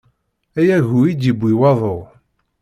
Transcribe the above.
Ay agu i d-yewwi waḍu.